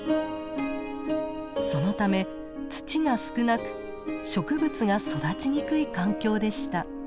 そのため土が少なく植物が育ちにくい環境でした。